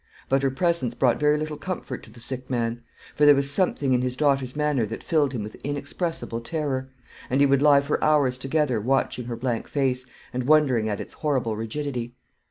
But her presence brought very little comfort to the sick man; for there was something in his daughter's manner that filled him with inexpressible terror; and he would lie for hours together watching her blank face, and wondering at its horrible rigidity.